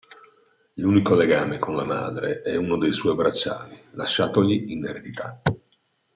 L'unico legame con la madre è uno dei suoi bracciali, lasciatogli in eredità.